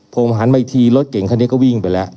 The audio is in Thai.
ผมหันมาอีกทีรถเก่งคันนี้ก็วิ่งไปแล้ว